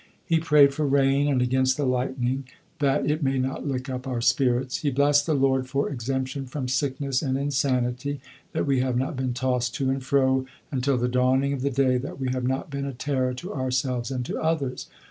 He prayed for rain and against the lightning, "that it may not lick up our spirits;" he blessed the Lord for exemption from sickness and insanity, "that we have not been tossed to and fro until the dawning of the day, that we have not been a terror to ourselves and to others."